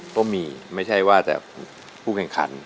ก็มีไม่ใช่ว่าแต่ผู้แข่งขัน